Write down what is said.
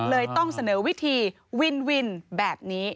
เลยต้องเสนอวิธีวินวินแบบนี้